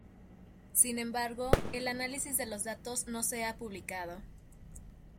Sin embargo, el análisis de los datos no se ha publicado.